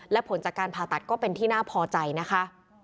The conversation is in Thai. และผลจากการผ่าตัดก็เป็นที่น่าพอใจนะคะ